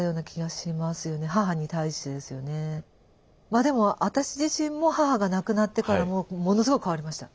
まあでも私自身も母が亡くなってからもうものすごい変わりました。